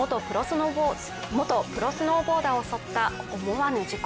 元プロスノーボーダーを襲った思わぬ事故。